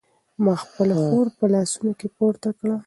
ما خپله خور په لاسونو کې پورته کړه.